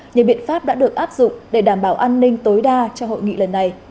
nhiều biện pháp đã được áp dụng để đảm bảo an ninh tối đa cho hội nghị lần này